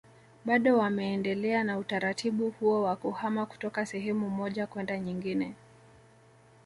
Bado wameendelea na utaratibu huo wa kuhama kutoka sehemu moja kwenda nyingine